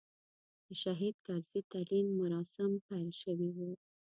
د شهید کرزي تلین مراسیم پیل شوي و.